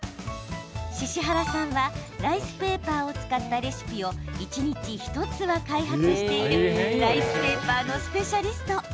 獅子原さんはライスペーパーを使ったレシピを一日１つは開発しているライスペーパーのスぺシャリスト。